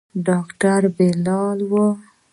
ډاکتر بلال و.